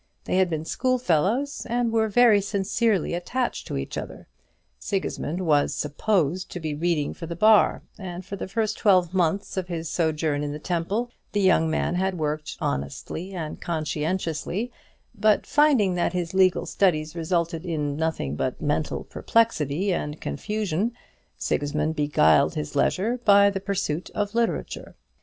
They had been schoolfellows, and were very sincerely attached to each other. Sigismund was supposed to be reading for the Bar; and for the first twelve months of his sojourn in the Temple the young man had worked honestly and conscientiously; but finding that his legal studies resulted in nothing but mental perplexity and confusion, Sigismund beguiled his leisure by the pursuit of literature.